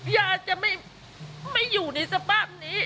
ยาจะไม่อยู่ในสภาพนี้